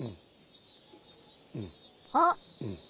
あっ！